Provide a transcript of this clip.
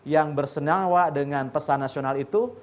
yang bersenyawa dengan pesan nasional itu